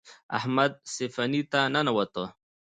احمد سفینې ته ننوت.